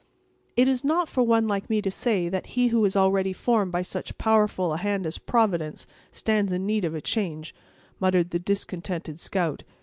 "It is not for one like me to say that he who is already formed by so powerful a hand as Providence, stands in need of a change," muttered the discontented scout.